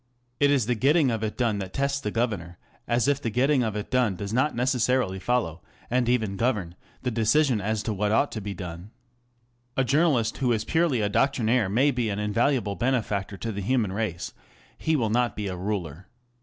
It is the getting of it done that tests the governor; Digitized by Google GOVERNMENT BY JOURNALISM. 667 as if the getting of it done does not necessarily follow, and even govern, the decision as to what ought to be done. A journalist who is purely a doctrinaire may be an invaluable benefactor to the human race ŌĆö he will not be a ruler.